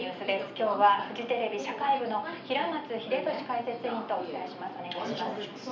今日はフジテレビ社会部の平松秀敏解説委員とお伝えします。